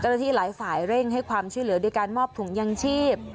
ที่หลายฝ่ายเร่งให้ความช่วยเหลือด้วยการมอบถุงยังชีพ